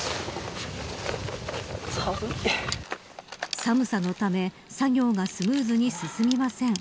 寒さのため作業がスムーズに進みません。